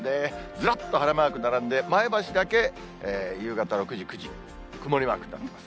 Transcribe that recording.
ずらっと晴れマーク並んで、前橋だけ夕方６時、９時、曇りマークになっています。